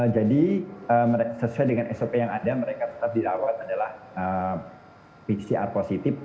jadi sesuai dengan sop yang ada mereka tetap dirawat adalah pcr positif